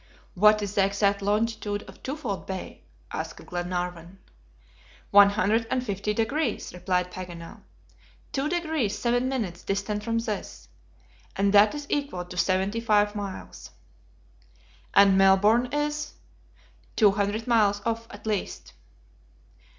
"What is the exact longitude of Twofold Bay?" asked Glenarvan. "One hundred and fifty degrees," replied Paganel; "two degrees seven minutes distant from this, and that is equal to seventy five miles." "And Melbourne is?" "Two hundred miles off at least."